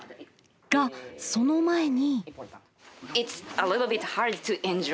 がその前に。